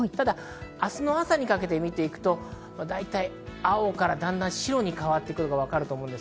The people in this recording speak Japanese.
明日の朝にかけて見ていくと、青からだんだん白に変わってくるのがわかると思います。